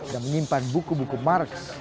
dan menyimpan buku buku marx